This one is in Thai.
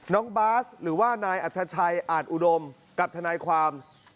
น้องบาสหรือว่านายอัธชัยอาจอุดมกับทนายความ